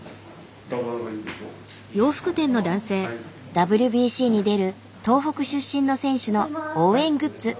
ＷＢＣに出る東北出身の選手の応援グッズ。